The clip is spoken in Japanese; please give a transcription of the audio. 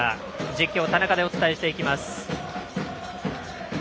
実況、田中でお伝えしていきます。